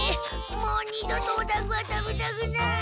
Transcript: もう二度とおだんごは食べたくない。